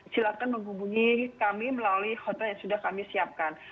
silakan menghubungi kami melalui hotline yang sudah kami siapkan